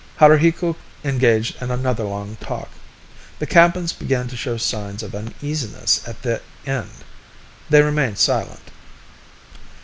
Haruhiku engaged in another long talk. The Kappans began to show signs of uneasiness at the end. They remained silent.